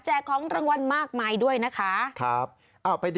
ของรางวัลมากมายด้วยนะคะ